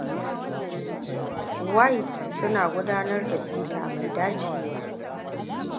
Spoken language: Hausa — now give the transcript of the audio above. Whitby et al. Sun gudanar da bita mai dacewa.